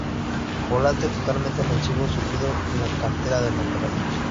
Volante totalmente ofensivo surgido de la cantera del Monterrey.